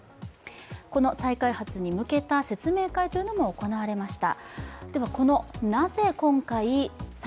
この再開発に向けた説明会というのも行われました。